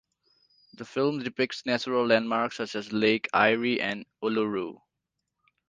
The film depicts natural landmarks such as Lake Eyre and Uluru.